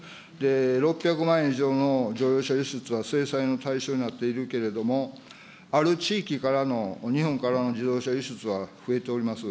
６００万以上の乗用車輸出は制裁の対象になっているけれども、ある地域からの、日本からの自動車輸出は増えております。